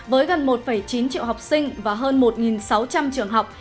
với gần một chín triệu học sinh và hơn một sáu trăm linh trường học